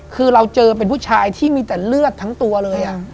คือเราเจอเป็นผู้ชายที่มีแต่เลือดทั้งตัวเลย